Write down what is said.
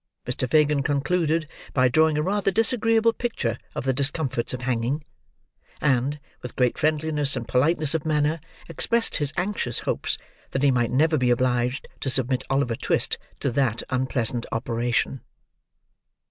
Mr. Fagin concluded by drawing a rather disagreeable picture of the discomforts of hanging; and, with great friendliness and politeness of manner, expressed his anxious hopes that he might never be obliged to submit Oliver Twist to that unpleasant operation.